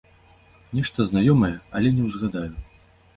Нешта знаёмае, але не ўзгадаю!